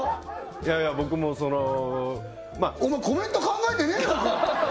いやいや僕もそのまぁお前コメント考えてねえのか！